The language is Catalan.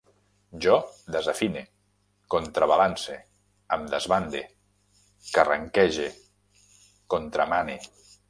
Jo desafine, contrabalance, em desbande, carranquege, contramane